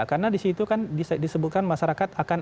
karena disitu disebutkan masyarakat akan